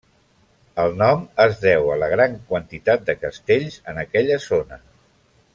El nom es deu a la gran quantitat de castells en aquella zona.